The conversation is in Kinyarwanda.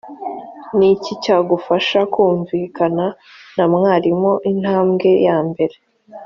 ni iki cyagufasha kumvikana na mwarimu intambwe yambere